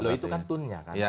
itu kan tunnya kan